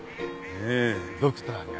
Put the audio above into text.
へえドクターが？